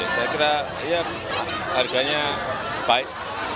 saya kira ya harganya baik